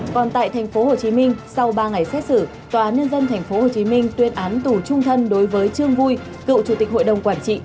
còn tại tp hcm sau ba ngày xét xử tòa án nhân dân tp hcm tuyên án tù trung thân đối với trương vui cựu chủ tịch hội đồng quản trị